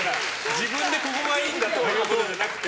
自分でここがいいんだっていうんじゃなくて。